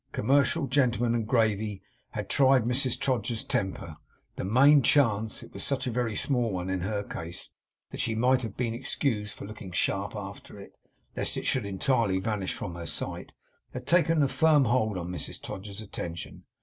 Commercial gentlemen and gravy had tried Mrs Todgers's temper; the main chance it was such a very small one in her case, that she might have been excused for looking sharp after it, lest it should entirely vanish from her sight had taken a firm hold on Mrs Todgers's attention.